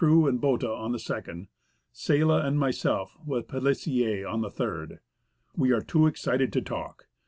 with Croux and Botta on the second ; Sella and myself with Pellis sier on the third. We are too excited to talk.